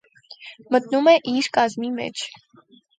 Մտնում է ի կազմի մեջ։